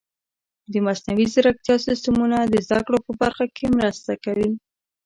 د مصنوعي ځیرکتیا سیستمونه د زده کړو په برخه کې مرسته کوي.